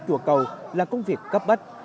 chùa cầu là công việc cấp bách